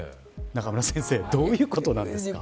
中村先生どういうことなんですか。